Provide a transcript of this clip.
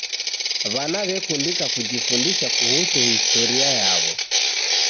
W'ana w'ekundika kujifundisha kuhusu historia yaw'o.